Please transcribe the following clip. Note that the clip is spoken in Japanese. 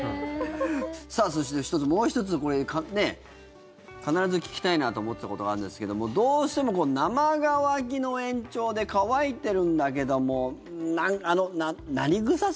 そして、もう１つこれ、必ず聞きたいなと思ってたことがあるんですけどもどうしても生乾きの延長で乾いてるんだけども何臭さ？